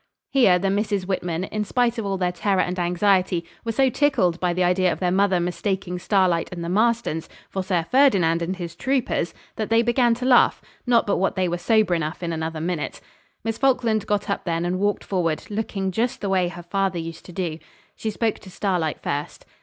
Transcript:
Here the Misses Whitman, in spite of all their terror and anxiety, were so tickled by the idea of their mother mistaking Starlight and the Marstons for Sir Ferdinand and his troopers that they began to laugh, not but what they were sober enough in another minute. Miss Falkland got up then and walked forward, looking just the way her father used to do. She spoke to Starlight first.